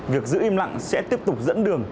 việc giữ im lặng sẽ tiếp tục dẫn đường